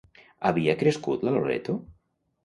Havia crescut la Loreto?